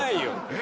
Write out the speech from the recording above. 「え！」